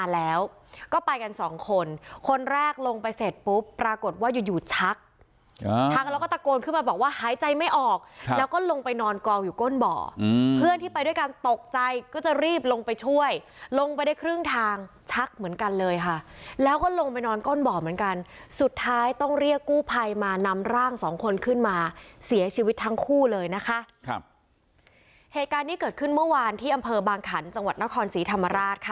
แล้วก็ตะโกนขึ้นมาบอกว่าหายใจไม่ออกแล้วก็ลงไปนอนกองอยู่ก้นเบาะเพื่อนที่ไปด้วยการตกใจก็จะรีบลงไปช่วยลงไปได้ครึ่งทางชักเหมือนกันเลยค่ะแล้วก็ลงไปนอนก้นเบาะเหมือนกันสุดท้ายต้องเรียกกู้ภัยมานำร่างสองคนขึ้นมาเสียชีวิตทั้งคู่เลยนะคะเหตุการณ์ที่เกิดขึ้นเมื่อวานที่อำเภอบางขันจังหวัดนครสีธรรม